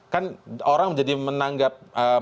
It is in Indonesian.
kan orang menjadi menanggap